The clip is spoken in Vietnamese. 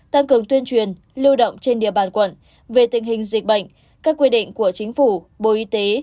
tăng cường tuyên truyền lưu động trên địa bàn quận về tình hình dịch bệnh các quy định của chính phủ bộ y tế